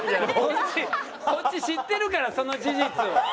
こっち知ってるからその事実を。